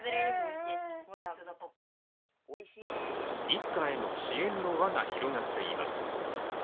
一家への支援の輪が広がっています。